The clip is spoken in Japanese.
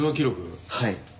はい。